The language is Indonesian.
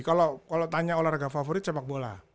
kalau tanya olahraga favorit sepak bola